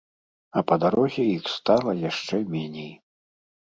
А па дарозе іх стала яшчэ меней.